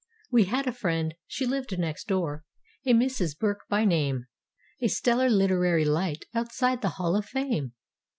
We had a friend—she lived next door—a Mrs. Burke by name. A stellar literary light, outside the Hall of Fame.